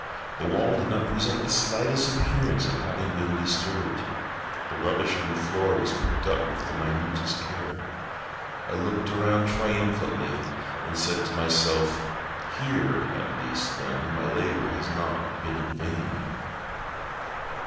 The wall did not present the slightest appearance of having been disturbed. The rubbish on the floor was picked up with the minutest care. I looked around triumphantly, and said to myself: "Here at least, then, my labor has not been in vain."